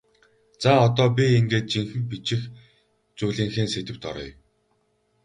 За одоо би ингээд жинхэнэ бичих зүйлийнхээ сэдэвт оръё.